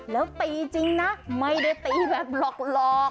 แล้วตีจริงนะไม่ได้ตีแบบหลอก